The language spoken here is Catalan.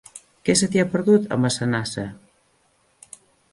Què se t'hi ha perdut, a Massanassa?